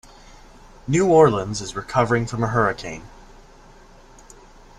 New Orleans is recovering from a hurricane.